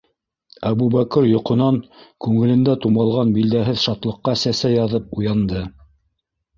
Әбүбәкер йоҡонан күңелендә тумалған билдәһеҙ шатлыҡҡа сәсәй яҙып уянды.